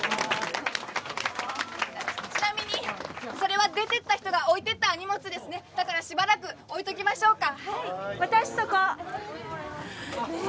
ちなみにそれは出てった人が置いてった荷物ですねだからしばらく置いときましょうかはい私そこねえ